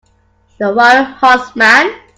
The wild huntsman.